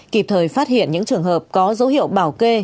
kịp thời phát hiện những trường hợp có dấu hiệu bảo kê